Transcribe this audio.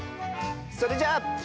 それじゃあ。